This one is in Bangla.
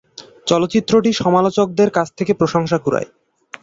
চলচ্চিত্রটি সমালোচকদের কাছ থেকে প্রশংসা কুড়ায়।